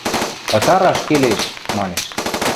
– Ытараш келеш! – манеш.